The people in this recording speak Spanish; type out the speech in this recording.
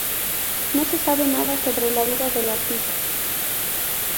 No se sabe nada sobre la vida del artista.